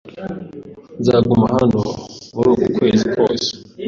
Nzaguma hano muri uku kwezi kose.